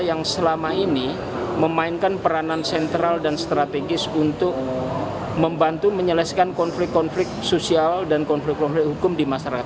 yang selama ini memainkan peranan sentral dan strategis untuk membantu menyelesaikan konflik konflik sosial dan konflik konflik hukum di masyarakat